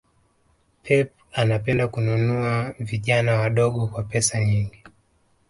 Pep anapenda kununua vijana wadogo kwa pesa nyingi